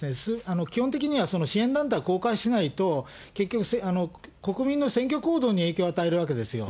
基本的には支援団体を公開しないと、結局、国民の選挙行動に影響与えるわけですよ。